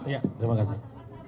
ya terima kasih